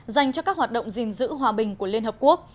dành cho các hoạt động gìn giữ hòa bình của liên hợp quốc